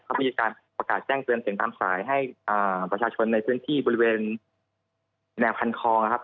เขามีการประกาศแจ้งเตือนเสียงตามสายให้ประชาชนในพื้นที่บริเวณแนวคันคลองนะครับ